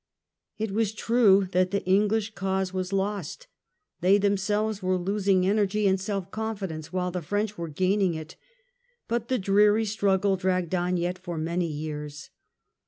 It was true that the EngHsh cause was lost: they themselves were losing energy and self confidence while the French were gaining it ; but the dreary struggle coronation dragged on yet for many years.